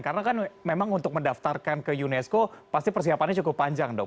karena kan memang untuk mendaftarkan ke unesco pasti persiapannya cukup panjang dong